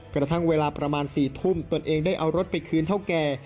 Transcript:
กระทั่งเวลาประมาณ๔ทุ่มตนเองได้เอารถไปคืนเท่าแก่